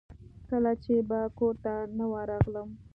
کله چې به کورته نه ورغلم.